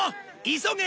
急げ！